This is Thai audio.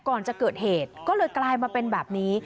ก่อนจะเกิดเหตุก็เลยกลายมาเป็นแบบนี้